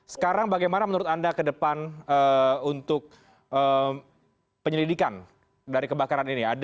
sekarang bagaimana menurut anda ke depan untuk penyelidikan dari kebakaran ini